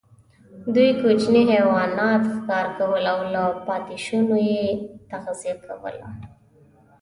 دوی کوچني حیوانات ښکار کول او له پاتېشونو یې تغذیه کوله.